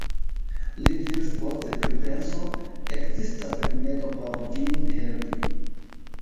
li diris post pripenso: ekzistas rimedo por vin helpi.